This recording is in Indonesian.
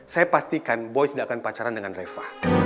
saya pastikan boys tidak akan pacaran dengan reva